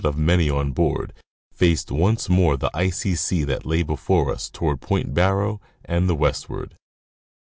191 of many on board, faced once more the icy sea that lay before us toward Point Barrow and the westward.